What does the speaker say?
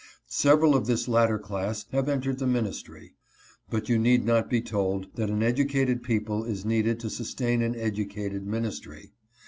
Several of this latter class have entered the ministry; but you need not be told that an educated people is needed to sustain an educated ministry.